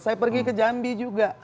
saya pergi ke jambi juga